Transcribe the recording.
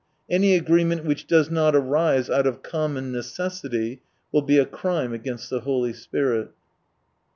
Any agreement which does not arise out of common necessity will be a crime against the Holy Spirit.